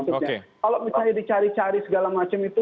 kalau misalnya dicari cari segala macam itu